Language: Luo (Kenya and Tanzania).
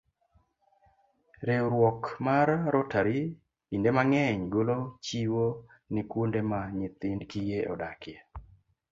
Riwruok mar Rotary kinde mang'eny golo chiwo ne kuonde ma nyithind kiye odakie.